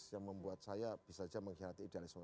yang membuat saya bisa saja mengkhianati idealisme